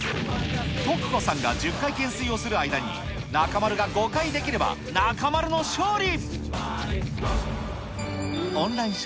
とく子さんが１０回懸垂をする間に、中丸が５回できれば、中丸の勝利。